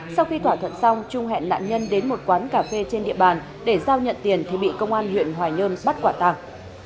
sau khi thỏa thuận xong trung hẹn nạn nhân đến một quán cà phê trên địa bàn để giao nhận tiền thì bị công an huyện hoài nhơn bắt quả tàng